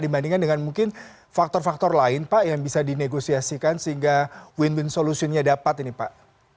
dibandingkan dengan mungkin faktor faktor lain pak yang bisa dinegosiasikan sehingga win win solution nya dapat ini pak